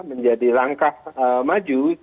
menjadi langkah maju